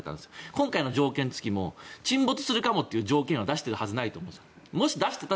今回の条件付きも沈没するかもって条件は出していたわけがないと思うんです。